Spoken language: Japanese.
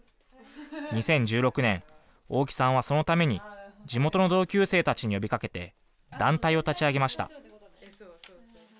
２０１６年、大木さんはそのために、地元の同級生たちに呼びかけて、団体を立ち上げました。